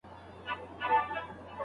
د ټولني له ملاتړ پرته ژوند ګران دی.